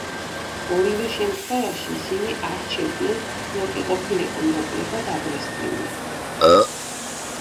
ორივე შემთხვევაში ისინი არჩევდნენ, როკი ყოფილიყო ნაკლებად აგრესიული.